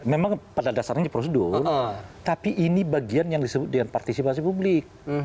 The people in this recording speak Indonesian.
memang pada dasarnya prosedur tapi ini bagian yang disebut dengan partisipasi publik